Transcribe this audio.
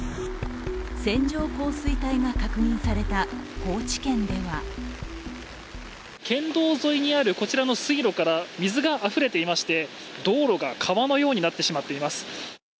線状降水帯が確認された高知県では県道沿いにある、こちらの水路から水があふれていまして道路が川のようになってしまっています。